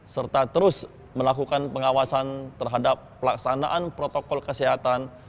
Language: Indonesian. serta terus melakukan pengawasan terhadap pelaksanaan protokol kesehatan